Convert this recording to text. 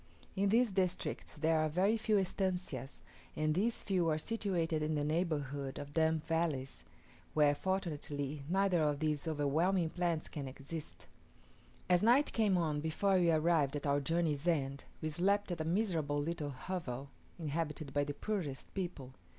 In these districts there are very few estancias, and these few are situated in the neighbourhood of damp valleys, where fortunately neither of these overwhelming plants can exist. As night came on before we arrived at our journey's end, we slept at a miserable little hovel inhabited by the poorest people.